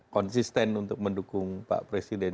konsisten untuk mendukung pak presiden